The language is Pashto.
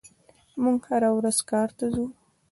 موږ هره ورځ کار ته ځو.